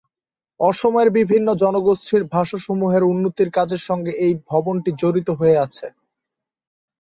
অসমের বিভিন্ন জনগোষ্ঠীর ভাষাসমূহের উন্নতির কাজের সঙ্গে এই ভবনটি জড়িত হয়ে আছে।